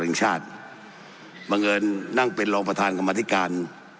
แห่งชาติบังเอิญนั่งเป็นรองประธานกรรมธิการ